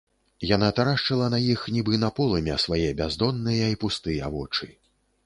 Яна тарашчыла на іх, нібы на полымя, свае бяздонныя і пустыя вочы.